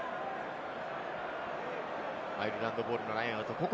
アイルランドボールのラインアウト。